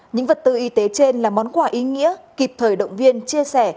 những vật tư y tế trên là món quà ý nghĩa kịp thời động viên chia sẻ